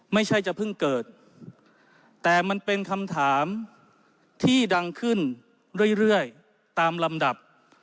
ไม่ใช่จะเพิ่งเกิดแต่มันเป็นคำถามที่ดังขึ้นเรื่อยตามลำดับ